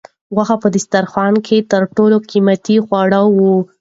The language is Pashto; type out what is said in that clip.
غوښه په دسترخوان کې تر ټولو قیمتي خواړه وو.